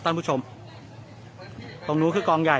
มันก็ไม่ต่างจากที่นี่นะครับ